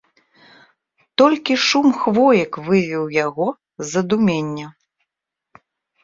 Толькі шум хвоек вывеў яго з задумення.